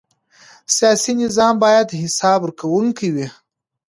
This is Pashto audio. سیاسي نظام باید حساب ورکوونکی وي